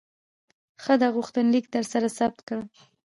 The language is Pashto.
ښه ده، غوښتنلیک درسره ثبت کړه.